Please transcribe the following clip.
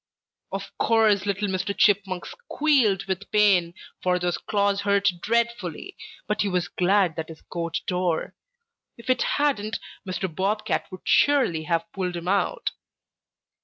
"Of course little Mr. Chipmunk squealed with pain, for those claws hurt dreadfully, but he was glad that his coat tore. If it hadn't, Mr. Bob Cat would surely have pulled him out.